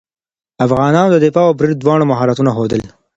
افغانانو د دفاع او برید دواړه مهارتونه ښودل.